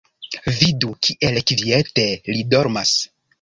Vidu, kiel kviete li dormas.